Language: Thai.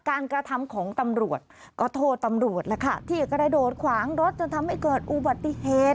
การกระทำของตำรวจก็โทรตำรวจแล้วที่ใกล้โดดคว้างรถจนทำให้เกิดอุบัติเหตุ